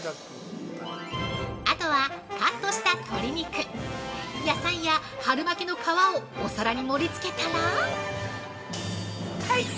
◆あとはカットした鶏肉、野菜や春巻きの皮をお皿に盛りつけたら◆はい！